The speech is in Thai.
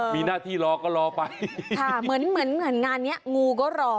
มีหน้าที่รอก็รอไปค่ะเหมือนเหมือนงานเนี้ยงูก็รอ